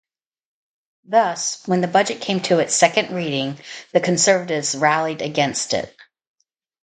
Thus when the budget came to its second reading the Conservatives rallied against it.